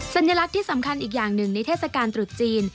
สัญลักษณ์ที่สำคัญอีกอย่างหนึ่งในเทศกาลตรุษจีน